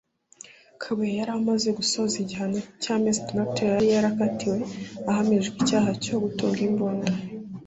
Kabuye yari amaze gusoza igihano cy’amezi atandatu yari yarakatiwe ahamijwe icyaha cyo gutunga imbunda